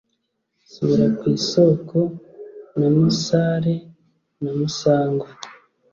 subira ku isoko' na 'musare na musangwa